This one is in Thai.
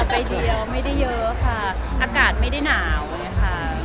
นี่เป็นช่วงใดเดียวไม่ได้เยอะค่ะอากาศไม่ได้หนาวนะคะ